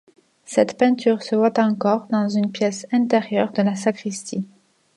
Cette peinture se voit encore dans une pièce intérieure de la sacristie.